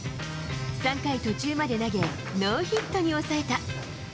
３回途中まで投げ、ノーヒットに抑えた。